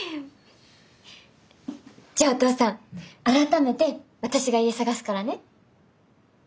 じゃあお父さん改めて私が家探すからね。